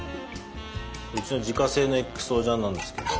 うちの自家製のＸＯ醤なんですけど